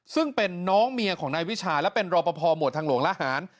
ซึ่งเป็นน้องเมียของนายวิชาและเป็นรอปภหมวดทางหลวงละหาร